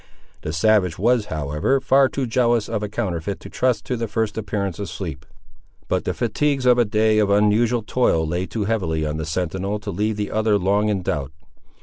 The savage was, however, far too jealous of a counterfeit to trust to the first appearance of sleep. But the fatigues of a day of unusual toil lay too heavy on the sentinel to leave the other long in doubt.